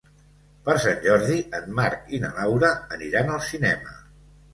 Per Sant Jordi en Marc i na Laura aniran al cinema.